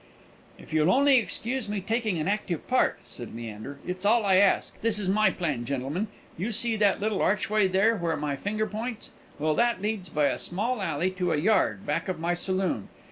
"If you'll only excuse me taking an active part," said Leander, "it's all I ask. This is my plan, gentlemen. You see that little archway there, where my finger points? Well, that leads by a small alley to a yard, back of my saloon.